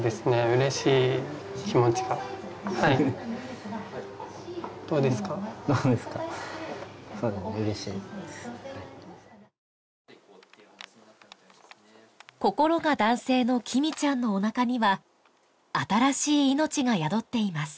うれしいです心が男性のきみちゃんのおなかには新しい命が宿っています